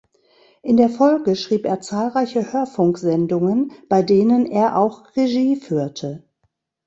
In der Folge schrieb er zahlreiche Hörfunksendungen, bei denen er auch Regie führte.